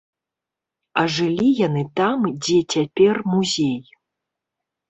А жылі яны там, дзе цяпер музей.